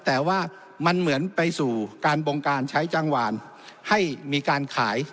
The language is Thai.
แต่ว่ามันเหมือนไปสู่การบงการใช้จังหวานให้มีการขาย